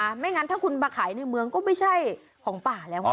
ไม่งั้นถ้าคุณมาขายในเมืองก็ไม่ใช่ของป่าแล้วไง